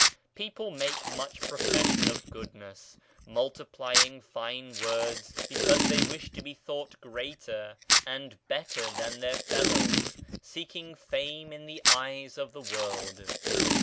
People make much profession of goodness, multiplying fine words because they wish to be thought greater and better than their fellows, seeking fame in the eyes of the world.